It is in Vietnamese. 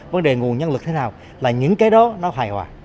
vấn đề nguồn nhân lực thế nào là những cái đó nó hài hòa